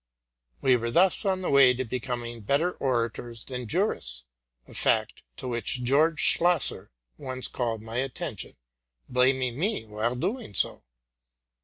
We were thus on the way to become better orators than jurists, a fact to which George Schlosser once called my "pant blaming me while doing so.